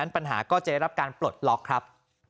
ปัญหาก็จะได้รับการปลดล็อกครับ